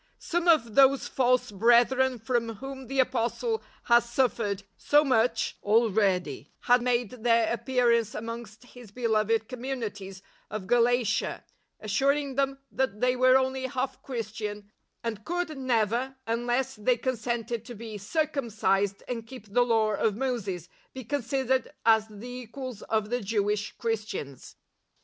Some of those false brethren from whom the Apostle had suffered so much already had made their appearance amongst his beloved communities of Galatia, assuring them that they were only half Christian, and could^^^, 8i 6 82 LIFE OF ST. PAUL iievei j unless they consented to be circum cised and keep the Law of Moses, be con sidered as the equals of the Jewish Christians.